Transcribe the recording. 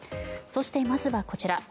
そして、まずはこちら。